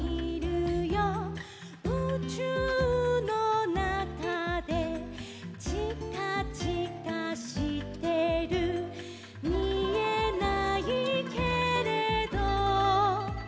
「うちゅうのなかで」「ちかちかしてる」「みえないけれど」